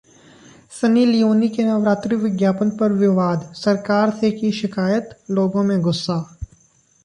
Sunny Leone के नवरात्रि विज्ञापन पर विवाद, सरकार से की शिकायत, लोगों में गुस्सा